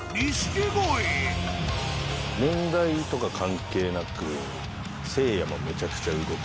年代とか関係なくせいやもめちゃくちゃ動く。